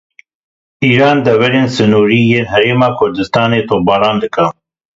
Îran deverên sinorî yên Herêma Kurdistanê topbaran dike.